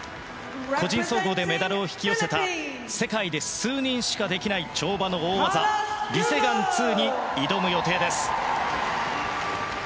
個人総合でメダルを引き寄せた世界で数人しかできない跳馬の大技リ・セグァン２に挑む予定です。